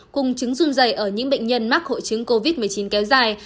cùng chứng run dày ở những bệnh nhân mắc hội chứng covid một mươi chín kéo dài